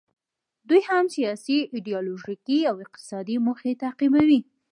دوی هم سیاسي، ایډیالوژیکي او اقتصادي موخې تعقیبوي.